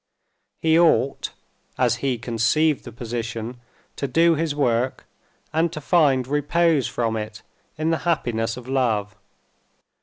He ought, as he conceived the position, to do his work, and to find repose from it in the happiness of love.